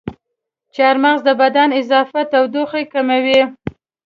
چارمغز د بدن اضافي تودوخه کموي.